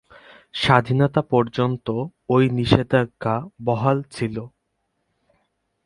স্বাধীনতা পর্যন্ত এই নিষেধাজ্ঞা বহাল ছিলো।